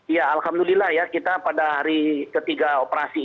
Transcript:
ya alhamdulillah ya kita pada hari ketiga operasi